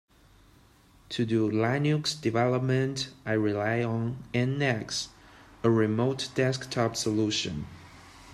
To do Linux development, I rely on NX, a remote desktop solution.